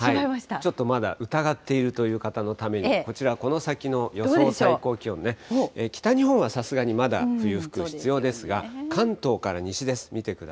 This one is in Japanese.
ちょっとまだ疑っているという方のために、こちら、この先の予想最高気温ね、北日本はさすがにまだ冬服必要ですが、関東から西です。